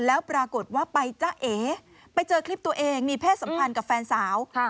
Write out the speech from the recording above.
แล้วปรากฏว่าไปจ้าเอไปเจอคลิปตัวเองมีเพศสัมพันธ์กับแฟนสาว